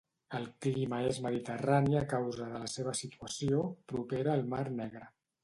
El clima és mediterrani a causa de la seva situació, propera al mar Negre.